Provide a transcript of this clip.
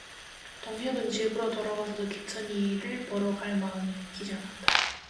동혁은 집으로 돌아와서도 기천이를 보러 갈 마음이 내키지 않았다.